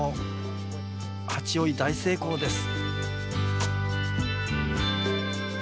蜂追い大成功です。